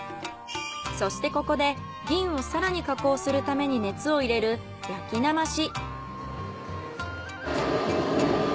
そしてここで銀を更に加工するために熱を入れる焼きなまし。